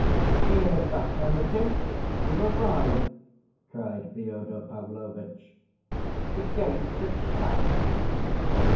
"Here's the hermitage. We've arrived," cried Fyodor Pavlovitch. "The gates are shut."